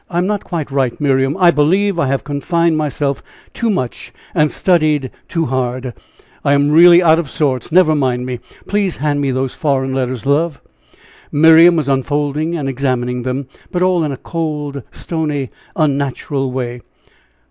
I am not quite right, Miriam. I believe I have confined myself too much, and studied too hard. I am really out of sorts; never mind me! Please hand me those foreign letters, love." Miriam was unfolding and examining them; but all in a cold, stony, unnatural way.